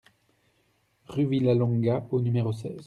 Rue Villalonga au numéro seize